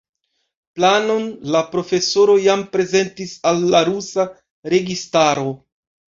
Planon la profesoro jam prezentis al la rusa registaro.